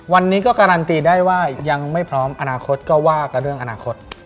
วันนี้ก็การันตีได้ว่ายังไม่พร้อมอนาคตก็ว่ากันเรื่องอนาคต